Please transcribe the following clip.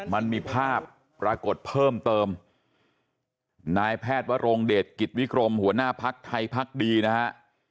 มันมีภาพปรากฏเพิ่มเติมนายแพทย์วรงเดชกิจวิกรมหัวหน้าพักไทยพักดีนะฮะ